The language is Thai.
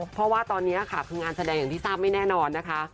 เพราะว่าตอนนี้ค่ะคืองานแสดงอย่างที่ทราบไม่แน่นอนนะคะ